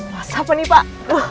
wah masa apa nih pak